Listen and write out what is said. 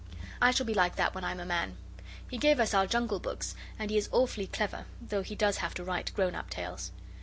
I shall be like that when I'm a man. He gave us our Jungle books, and he is awfully clever, though he does have to write grown up tales.